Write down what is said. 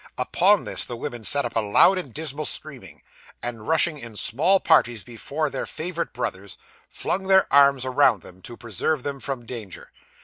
Upon this, the women set up a loud and dismal screaming; and rushing in small parties before their favourite brothers, flung their arms around them to preserve them from danger.